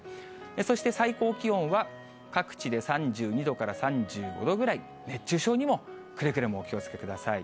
そして最高気温は各地で３２度から３５度ぐらい、熱中症にもくれぐれもお気をつけください。